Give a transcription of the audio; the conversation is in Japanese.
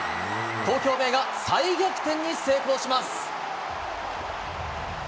東京ベイが再逆転に成功します。